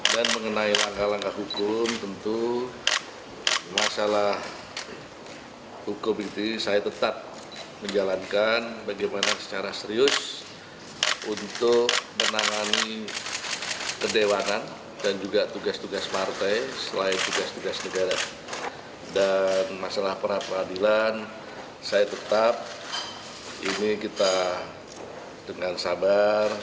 saya tetap ini kita dengan sabar